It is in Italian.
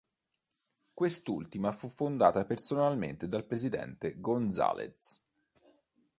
Quest'ultima fu fondata personalmente dal presidente González.